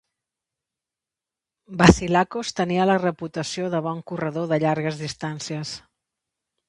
Vasilakos tenia la reputació de bon corredor de llargues distàncies.